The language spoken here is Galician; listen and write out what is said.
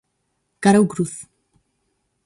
Cara ou cruz.